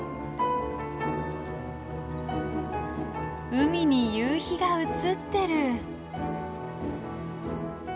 海に夕日が映ってる。